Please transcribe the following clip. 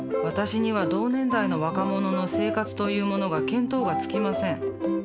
私には同年代の若者の生活というものが見当がつきません。